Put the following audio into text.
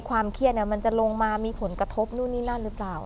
ความเครียดมันจะลงมามีผลกระทบนู่นนี่นั่นหรือเปล่า